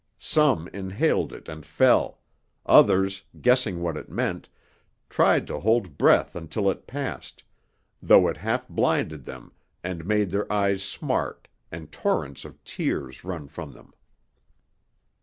Some inhaled it and fell; others, guessing what it meant, tried to hold breath until it passed, though it half blinded them and made their eyes smart and torrents of tears run from them.